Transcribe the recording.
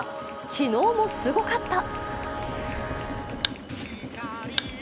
昨日もすごかった。